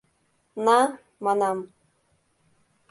— На! — манам.